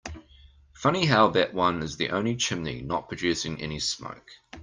Funny how that one is the only chimney not producing any smoke.